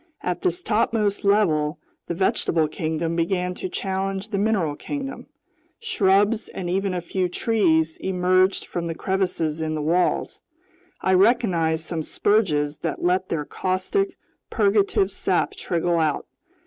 At this topmost level the vegetable kingdom began to challenge the mineral kingdom. Shrubs, and even a few trees, emerged from crevices in the walls. I recognized some spurges that let their caustic, purgative sap trickle out.